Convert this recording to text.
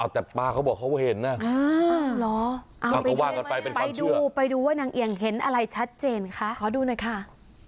แต่ป้าเขาบอกเขาเห็นนะไปดูไปดูว่านางเอียงเห็นอะไรชัดเจนคะขอดูหน่อยค่ะ